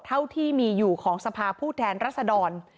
เท่าที่มีอยู่ของสภาพูดแทนรัฐธรรมน์